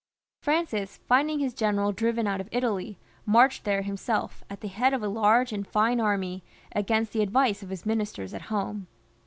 Francis, finding his general driven out of Italy, marched there himself, at the head of a large and fine army, against the advice of his ministers at home.